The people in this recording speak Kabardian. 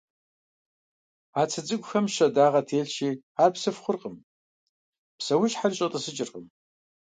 А цы цӀыкӀухэм щэдагъэ телъщи, ар псыф хъуркъым, псэущхьэри щӀэтӀысыкӀыркъым.